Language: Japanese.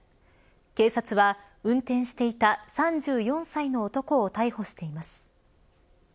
警察は運転していた３４歳の男を逮捕しています。